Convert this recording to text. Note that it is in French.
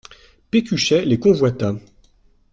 Pécuchet les convoita.